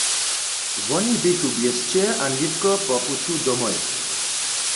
Woni běchu w měsće a nětko po puću domoj.